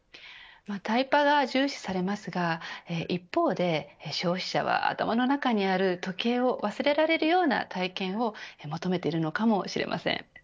タイパが重視されますが一方で消費者は、頭の中にある時計を忘れられるような体験を求めているのかもしれません。